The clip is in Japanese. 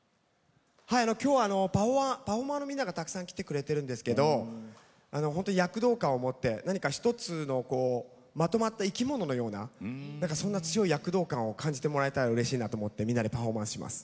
今日はパフォーマーのみんながたくさん来てくれてるんですけどほんとに躍動感を持って何か１つのまとまった生き物のようなそんな強い躍動感を感じてもらえたらうれしいなと思ってみんなでパフォーマンスします。